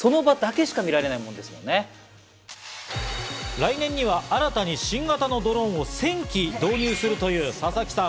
来年には新たに新型のドローンを１０００機導入するという佐々木さん。